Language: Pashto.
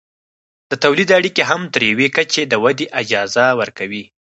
د تولید اړیکې هم تر یوې کچې د ودې اجازه ورکوي.